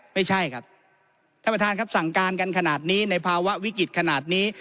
ไม่ใช่ครับท่านประธานครับสั่งการกันขนาดนี้ในภาวะวิกฤตขนาดนี้